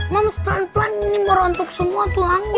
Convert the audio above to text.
mam pelan pelan ini merontok semua tulangnya